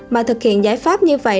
mà thực hiện giải pháp như vậy